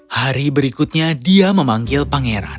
hari berikutnya dia memanggil pangeran